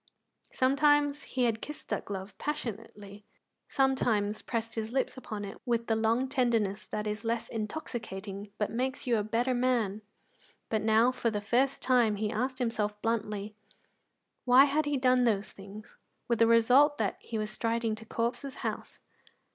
Sometimes he had kissed that glove passionately, sometimes pressed his lips upon it with the long tenderness that is less intoxicating but makes you a better man; but now, for the first time, he asked himself bluntly why he had done those things, with the result that he was striding to Corp's house.